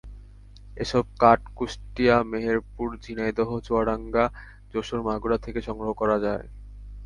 এসব কাঠ কুষ্টিয়া, মেহেরপুর, ঝিনাইদহ, চুয়াডাঙ্গা, যশোর, মাগুরা থেকে সংগ্রহ করা হয়।